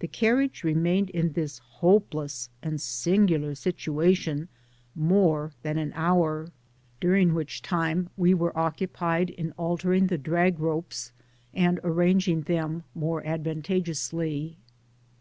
The carriage remained in this hopeless and singular situation more than an hour, during which time we were occupied in alter ing the drag ropes, and arranging them more ad vantageously.